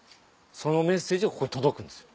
そのメッセージがここに届くんですよ。